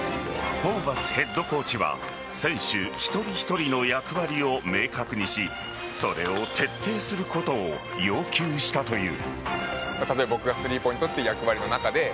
ホーバスヘッドコーチは選手一人一人の役割を明確にしそれを徹底することを要求したという。